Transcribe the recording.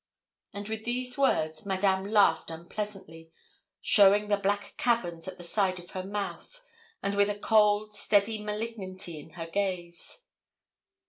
And with these words Madame laughed unpleasantly, showing the black caverns at the side of her mouth, and with a cold, steady malignity in her gaze.